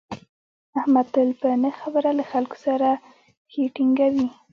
احمد تل په نه خبره له خلکو سره پښې ټینگوي.